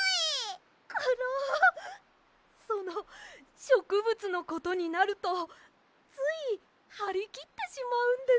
そのしょくぶつのことになるとついはりきってしまうんです。